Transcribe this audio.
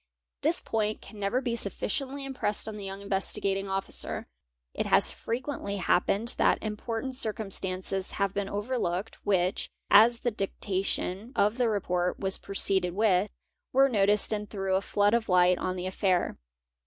This point cai never be sufficiently impressed on the young Investigating Officer. It hi frequently happened that important circumstances have been overlookec which, as the dictation of the report was proceeded with, were notice and threw a flood of light on the affair.